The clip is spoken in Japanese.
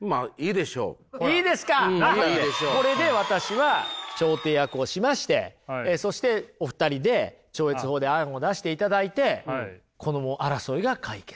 これで私は調停役をしましてそしてお二人で超越法で案を出していただいてこの争いが解決したと。